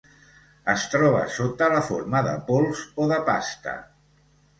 Es troba sota la forma de pols o de pasta.